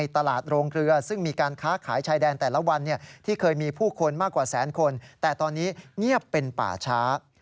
ตอนนี้เงียบเป็นปาชา